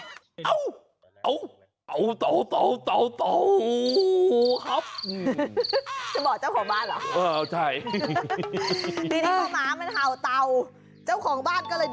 อ่าหมามันเห่าใส่เต่าเหรอ